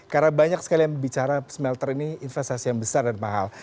karena banyak sekali yang bicara smelter ini investasi yang besar dan mahal